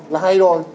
là hay rồi